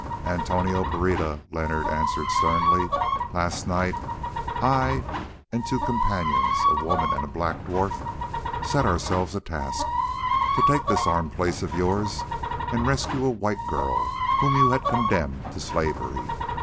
"Antonio Pereira," Leonard answered sternly, "last night I and two companions, a woman and a black dwarf, set ourselves a task—to take this armed place of yours and rescue a white girl whom you had condemned to slavery.